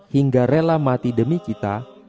hingga rela mati demi kita